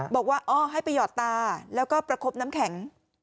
บอกว่าอ๋อให้ไปหยอดตาแล้วก็ประคบน้ำแข็ง